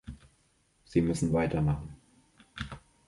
Sie müssen weitermachen.